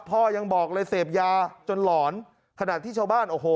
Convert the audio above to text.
พ่อยังบอกเลยเสพยาจนหลอนขณะที่ชาวบ้านโอ้โห